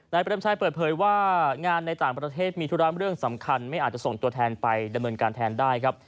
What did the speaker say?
เปรมชัยเปิดเผยว่างานในต่างประเทศมีธุระเรื่องสำคัญไม่อาจจะส่งตัวแทนไปดำเนินการแทนได้ครับ